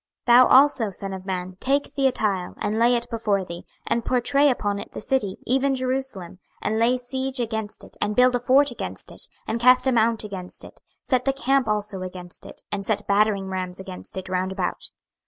26:004:001 Thou also, son of man, take thee a tile, and lay it before thee, and pourtray upon it the city, even Jerusalem: 26:004:002 And lay siege against it, and build a fort against it, and cast a mount against it; set the camp also against it, and set battering rams against it round about.